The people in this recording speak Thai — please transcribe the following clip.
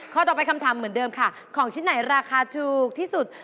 ข้อต่อไปคำถามเหมือนเดิมค่ะของชิ้นไหนราคาถูกที่สุด